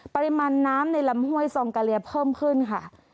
ปริมาณน้ำในลำห้วยซองกะเลียเพิ่มขึ้นค่ะ